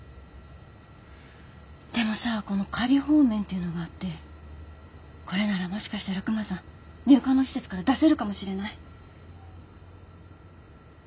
でもさこの仮放免っていうのがあってこれならもしかしたらクマさん入管の施設から出せるかもしれない。